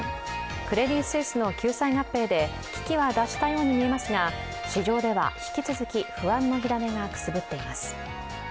クレディ・スイスの救済合併で危機は脱したように見えますが市場では引き続き不安の火種がくすぶっています。